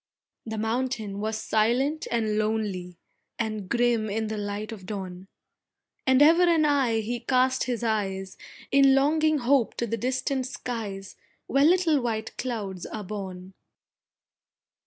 The Mountain was silent and lonely, And grim in the light of dawn, And ever and aye he cast his eyes In longing hope to the distant skies Where little white clouds are born.